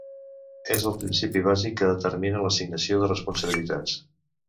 És el principi bàsic que determina l'assignació de responsabilitats.